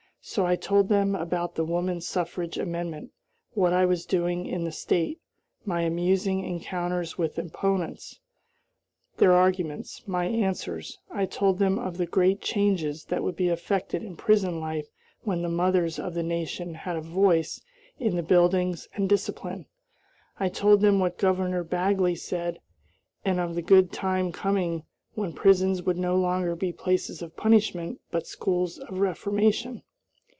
So I told them about the woman suffrage amendment, what I was doing in the State, my amusing encounters with opponents, their arguments, my answers. I told them of the great changes that would be effected in prison life when the mothers of the nation had a voice in the buildings and discipline. I told them what Governor Bagley said, and of the good time coming when prisons would no longer be places of punishment but schools of reformation.